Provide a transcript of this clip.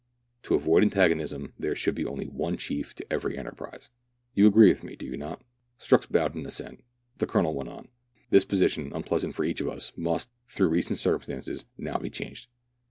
To avoid antagonism, there should be only one chief to every enterprise. You agree with me, do you not ?" Strux bowed in assent. The Colonel went on, —" This position, unpleasant for each of us, must, through recent circumstances, now be changed.